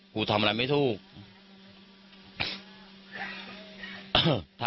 กูทำอะไรไม่ถูกครับ